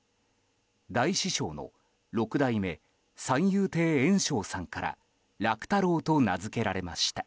大師匠の六代目三遊亭圓生さんから楽太郎と名づけられました。